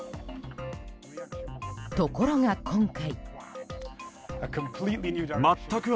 ところが今回。